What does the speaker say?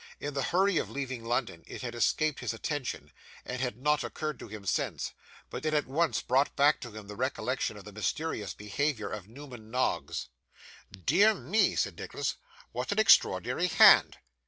In the hurry of leaving London, it had escaped his attention, and had not occurred to him since, but it at once brought back to him the recollection of the mysterious behaviour of Newman Noggs. 'Dear me!' said Nicholas; 'what an extraordinary hand!